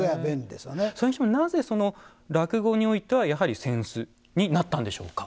それにしてもなぜ落語においては扇子になったんでしょうか？